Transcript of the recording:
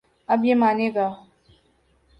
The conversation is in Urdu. اب یہ مانے گا۔